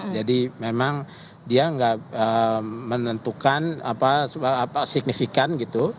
jadi memang dia tidak menentukan apa signifikan gitu